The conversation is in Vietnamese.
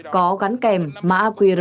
có gắn kèm mã